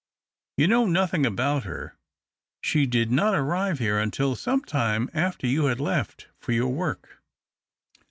You know nothing about her. She did not arrive here until some time after you had left — for your work."